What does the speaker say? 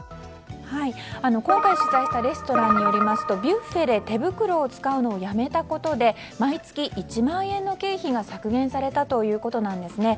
今回取材したレストランによりますと手袋を使うのをやめたことで毎月１万円の経費が削減されたということですね。